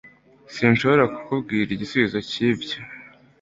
Sinshobora kukubwira igisubizo cyibyo